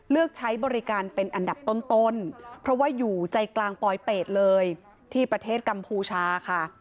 เลือกใช้บริการเป็นอันดับต้นเพราะว่าอยู่ใจกลางปลอยเป็ดเลยที่ประเทศกัมพูชาค่ะ